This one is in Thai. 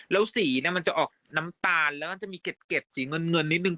แล้วสีมันจะออกน้ำตาลแล้วมันจะมีเก็ดสีเงินนิดนึง